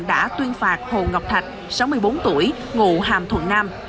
đã tuyên phạt hồ ngọc thạch sáu mươi bốn tuổi ngụ hàm thuận nam